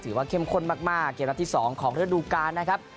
ถือว่าเข้มข้นมากเกมรัฐที่๒ของเรือดูการนะครับ